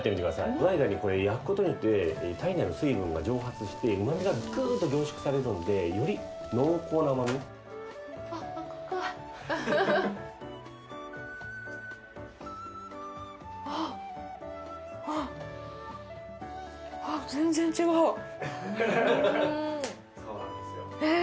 ズワイガニこれ焼くことによって体内の水分が蒸発して旨味がグーッと凝縮されるのでより濃厚な甘味あ熱いああそうなんですよえ